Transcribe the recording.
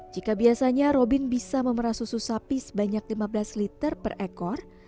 jika biasanya robin bisa memerah susu sapi sebanyak lima belas liter per ekor